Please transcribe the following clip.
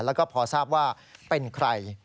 แล้วก็พอทราบว่าเป็นใคร